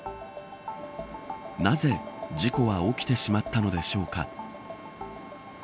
なぜ事故は起きてしまったのでしょうか。